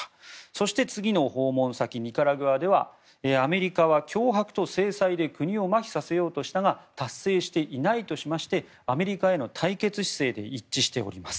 そして、次の訪問先のニカラグアではアメリカは脅迫と制裁で国をまひさせようとしたが達成していないとしましてアメリカへの対決姿勢で一致しております。